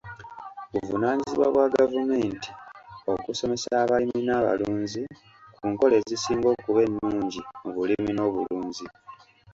Buvunaanyizibwa bwa gavumenti okusomesa abalimi n'abalunzi ku nkola ezisinga okuba ennungi mu bulimi n'obulunzi.